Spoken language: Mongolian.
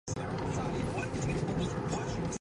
Нүдэндээ ч зүрхлэн итгэж чадахгүй байна.